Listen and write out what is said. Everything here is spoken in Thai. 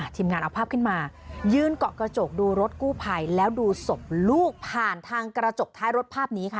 ทีมงานเอาภาพขึ้นมายืนเกาะกระจกดูรถกู้ภัยแล้วดูศพลูกผ่านทางกระจกท้ายรถภาพนี้ค่ะ